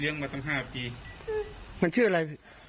เลี้ยงมาตั้งห้าปีมันชื่ออะไร